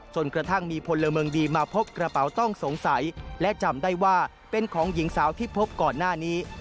จนกระทั่งมีพลเมืองดีมาพบกระเป๋าต้องสงสัยและจำได้ว่าเป็นของหญิงสาวที่พบก่อนหน้านี้